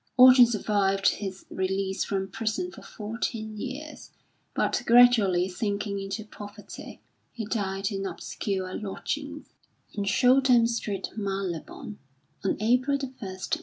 Orton survived his release from prison for fourteen years, but gradually sinking into poverty, he died in obscure lodgings in Shouldham Street, Marylebone, on April 1, 1898.